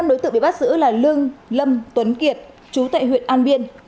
năm đối tượng bị bắt giữ là lương lâm tuấn kiệt chú tại huyện an biên